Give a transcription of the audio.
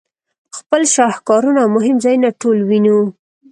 خپل شهکارونه او مهم ځایونه ټول وینو.